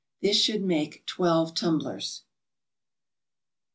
This should make twelve tumblers.